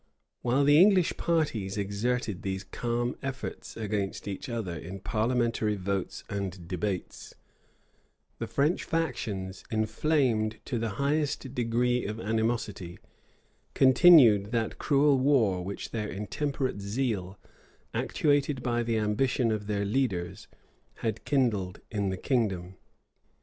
While the English parties exerted these calm efforts against each other in parliamentary votes and debates, the French factions, inflamed to the highest degree of animosity, continued that cruel war which their intemperate zeal, actuated by the ambition of their leaders, had kindled in the kingdom.